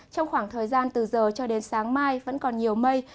trong khoảng thời gian từ giờ cho đến sáng mai vẫn còn nhiều mây